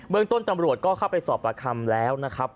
เมืองต้นตำรวจก็เข้าไปสอบประคำแล้วนะครับ